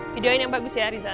video ini yang bagus ya riza